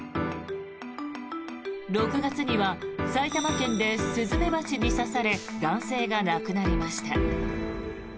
６月には、埼玉県でスズメバチに刺され男性が亡くなりました。